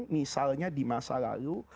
misalnya di masa lalu